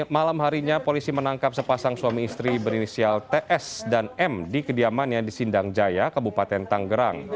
malam harinya polisi menangkap sepasang suami istri berinisial ts dan m di kediamannya di sindang jaya kabupaten tanggerang